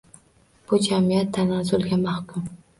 Bu jamiyat tanazzulga mahkum.